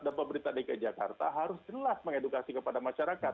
nah pemerintah pusat dan pemerintah dki jakarta harus jelas mengedukasi kepada masyarakat